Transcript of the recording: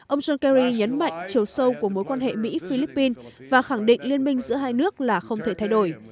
ông john kerry nhấn mạnh chiều sâu của mối quan hệ mỹ philippines và khẳng định liên minh giữa hai nước là không thể thay đổi